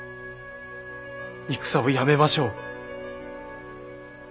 戦をやめましょう。